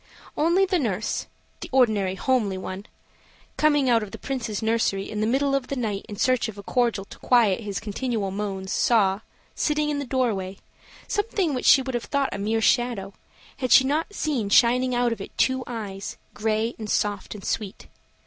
Only the nurse, the ordinary homely one, coming out of the Prince's nursery in the middle of the night in search of a cordial to quiet his continual moans, saw, sitting in the doorway, something which she would have thought a mere shadow, had she not seen shining out of it two eyes, gray and soft and sweet.